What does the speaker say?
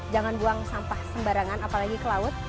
jangan buang sampah sembarangan apalagi ke laut